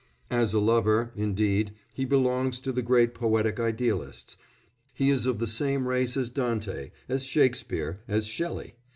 As a lover, indeed, he belongs to the great poetic idealists, he is of the same race as Dante, as Shakespeare, as Shelley.